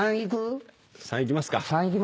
３いきますか。